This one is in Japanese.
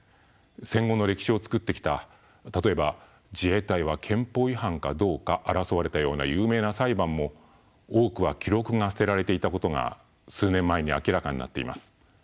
戦後の歴史を作ってきた例えば自衛隊は憲法違反かどうか争われたような有名な裁判も多くは記録が捨てられていたことが数年前に明らかになっています。